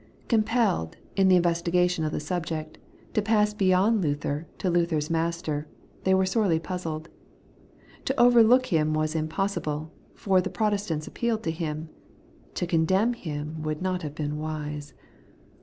Compelled, in the investigation of the subject, to pass beyond Luther to Luther's Master, they were sorely puzzled. To overlook Him was impossible, for the Protestants appealed to Him; to condemn Him would not have been wise.